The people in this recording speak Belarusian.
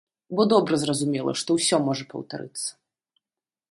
Бо добра зразумела, што ўсё можа паўтарыцца!